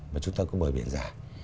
mà chúng ta có bờ biển già